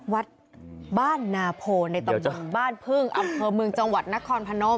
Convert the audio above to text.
วัดบ้านนาโพในตำบลบ้านพึ่งอำเภอเมืองจังหวัดนครพนม